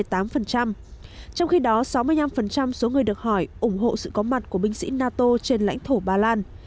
trong khi đó sáu mươi năm số người được hỏi ủng hộ sự có mặt của binh sĩ nato trên lãnh thổ ba lan